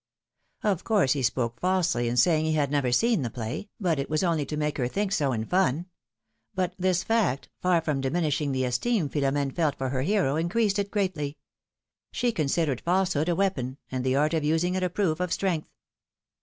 Of course he spoke falsely in saying he had never seen the play, but it was only to make her think so in fun ; but this fact, far from diminishing the esteem Philom^ne felt for her hero, increased it greatly. She considered falsehood a weapon, and the art of using it a proof of strength.